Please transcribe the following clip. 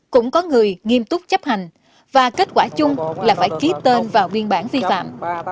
cũng có người nghiêm túc chấp hành và kết quả chung là phải ký tên vào biên bản vi phạm